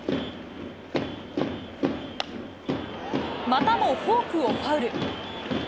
またもフォークをファウル。